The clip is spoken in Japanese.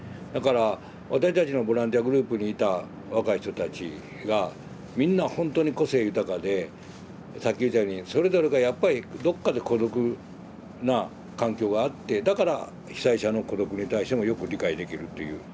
だから私たちのボランティアグループにいた若い人たちがみんなほんとに個性豊かでさっき言うたようにそれぞれがやっぱりどっかで孤独な環境があってだから被災者の孤独に対してもよく理解できるという。